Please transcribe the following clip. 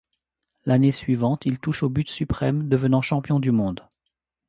L'année suivante, il touche au but suprême, devenant champion du monde.